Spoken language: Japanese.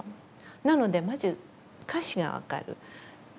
なのでまず歌詞が分かる。